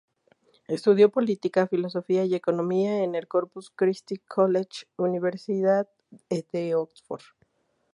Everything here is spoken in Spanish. Estudió política, filosofía y economía en el Corpus Christi College, Universidad de Oxford.